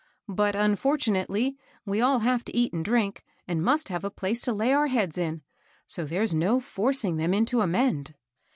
But, un fortunately, we all have to eat and drink, and must have a place to lay our heads in ; so there's no forcing them into a mend."